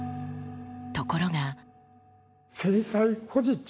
ところが。